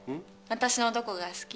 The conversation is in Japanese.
私のどこが好き？